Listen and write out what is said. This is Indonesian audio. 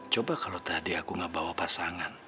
coba kalau tadi aku gak bawa pasangan